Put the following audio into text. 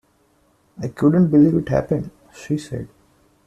I couldn't believe it happened, she said.